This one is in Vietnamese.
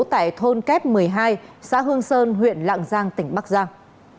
tại thôn kép một mươi hai xã hương sơn huyện lạng giang tỉnh bắc giang